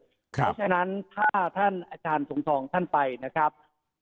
เพราะฉะนั้นถ้าท่านอาจารย์สงทองท่านไปนะครับ